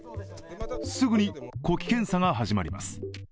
すぐに呼気検査が始まります。